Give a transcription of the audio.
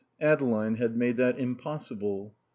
Adeline had made that impossible.